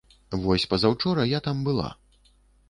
Вось пазаўчора я там была.